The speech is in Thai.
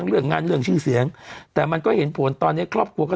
เรื่องงานเรื่องชื่อเสียงแต่มันก็เห็นผลตอนนี้ครอบครัวก็